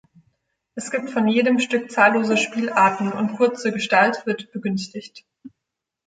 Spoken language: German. Es gibt von jedem Stück zahllose Spielarten und kurze Gestalt wird begünstigt.